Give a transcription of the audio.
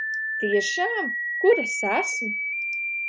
Tiešām? Kur es esmu?